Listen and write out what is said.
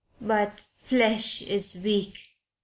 But flesh is weak.